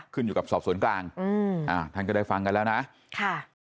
ขึ้นอยู่กับสอบสวนกลางอืมอ่าท่านก็ได้ฟังกันแล้วนะค่ะ